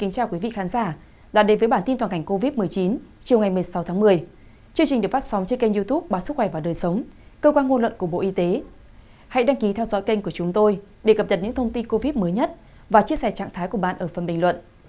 các bạn hãy đăng ký kênh của chúng tôi để cập nhật những thông tin covid mới nhất và chia sẻ trạng thái của bạn ở phần bình luận